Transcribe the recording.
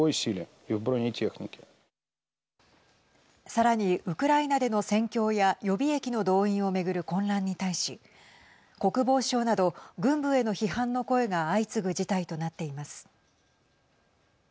さらに、ウクライナでの戦況や予備役の動員を巡る混乱に対し国防省など軍部への批判の声が相次ぐ事態となっています。